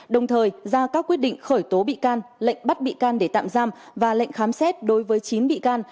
đồng thời ra các quyết định khởi tố bị can lệnh bắt bị can để tạm giam và lệnh khám xét đối với chín bị can